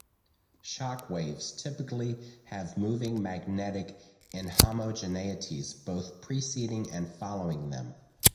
Shock waves typically have moving magnetic inhomogeneities both preceding and following them.